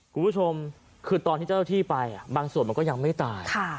คุณผู้ชมคือตอนที่เจ้าที่ไปบางส่วนมันก็ยังไม่ตาย